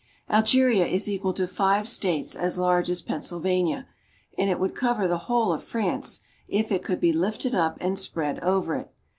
Algeria is equal to five States as large as Pennsylvania, and it would cover the whole of France, if it could be lifted up and spread over it.